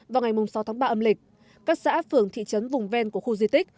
vào ngày sáu tháng ba âm lịch các xã phường thị trấn vùng ven của khu di tích